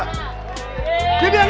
terima chandra terima